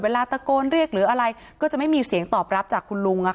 ตะโกนเรียกหรืออะไรก็จะไม่มีเสียงตอบรับจากคุณลุง